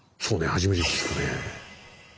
初めて聞くねえ。